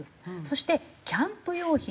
そしてキャンプ用品。